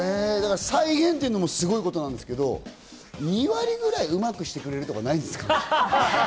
再現というのもすごいことなんですけど、２割くらいうまくしてくれるとかないんですか？